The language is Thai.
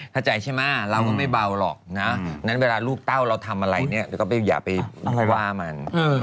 เข้าใจใช่ไหมเราก็ไม่เบาหรอกนะงั้นเวลาลูกเต้าเราทำอะไรเนี่ยเราก็อย่าไปว่ามัน